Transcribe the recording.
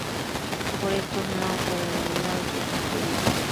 Por esto, son autodenominados grupos provida.